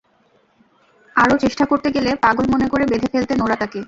আরও চেষ্টা করতে গেলে পাগল মনে করে বেঁধে ফেলতেন ওঁরা তাঁকে।